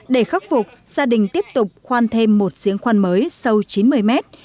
để khắc phục gia đình tiếp tục khoan thêm một diễn khoan mới sâu chín mươi mét